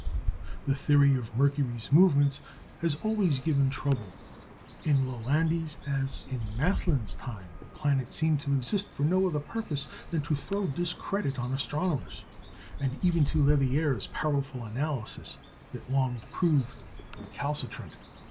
The theory of Mercury's movements has always given trouble. In Lalande's, as in Mästlin's time, the planet seemed to exist for no other purpose than to throw discredit on astronomers; and even to Leverrier's powerful analysis it long proved recalcitrant.